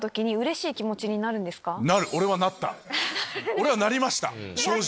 俺はなりました正直。